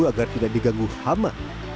agar tidak diganggu hama